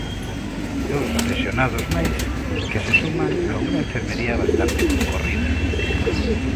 Dous lesionados máis que se suman a unha enfermería bastante concorrida.